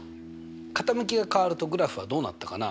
傾きが変わるとグラフはどうなったかな？